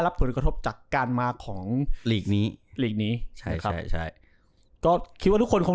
ผลกระทบจากการมาของหลีกนี้ลีกนี้ใช่ครับใช่ใช่ก็คิดว่าทุกคนคง